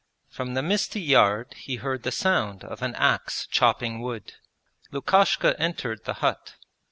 From the misty yard he heard the sound of an axe chopping wood. Lukashka entered the hut.